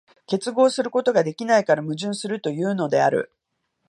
結合することができないから矛盾するというのである。